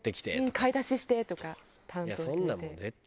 「買い出しして」とか担当決めて。